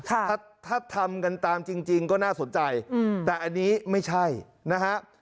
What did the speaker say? ถ้าถ้าทำกันตามจริงจริงก็น่าสนใจอืมแต่อันนี้ไม่ใช่นะฮะ